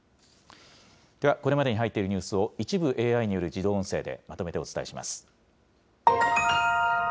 ではこれまでに入っているニュースを、一部ＡＩによる自動音声でまとめてお伝えします。